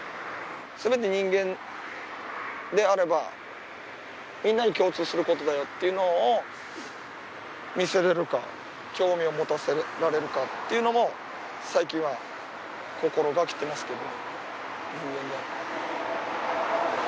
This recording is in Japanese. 全て人間であれば、みんなに共通することだよってのを見せられるか、興味を持たせられるかっていうのも最近は心がけてますけど。